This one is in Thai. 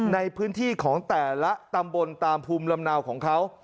ในพื้นที่ของแต่ละตำบลตามภูมิลำเนาของเขา